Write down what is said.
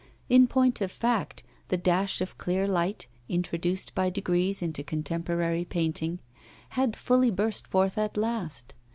In point of fact, the dash of clear light, introduced by degrees into contemporary painting, had fully burst forth at last.